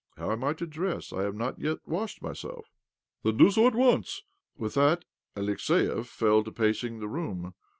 " How am I to dress ? I have not yet washed myself." " Then do so at once." With that Alexiev fell to pacing the room.